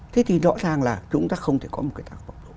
thế thì rõ ràng là chúng ta không thể có một người ta phục vụ